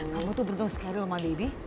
kamu tuh beruntung sekali sama baby